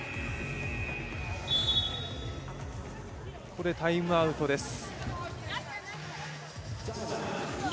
ここでタイムアウトです。